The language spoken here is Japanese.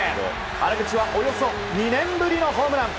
原口はおよそ２年ぶりのホームラン。